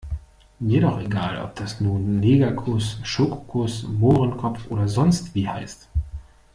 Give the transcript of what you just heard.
Mir doch egal, ob das nun Negerkuss, Schokokuss, Mohrenkopf oder sonstwie heißt.